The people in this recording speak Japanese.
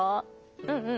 うんうん。